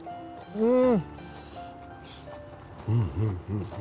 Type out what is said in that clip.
うん。